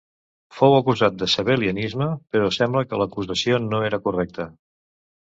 Fou acusat de sabel·lianisme però sembla que l'acusació no era correcte.